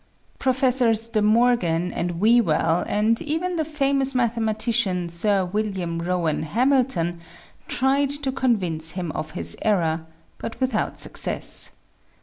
Professors De Morgan and Whewell, and even the famous mathema tician, Sir William Rowan Hamilton, tried to convince him of his error, but without success.